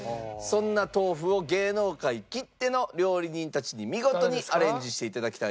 そんな豆腐を芸能界きっての料理人たちに見事にアレンジしていただきたいと思います。